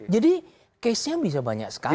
jadi case nya bisa banyak sekali